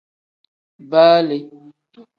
Baa le.